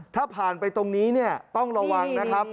ถ้าผ่านไปตรงนี้เนี่ยต้องระวังนะครับ